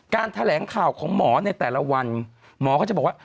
แถลงข่าวของหมอในแต่ละวันหมอก็จะบอกว่า